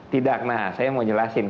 tidak nah saya mau jelasin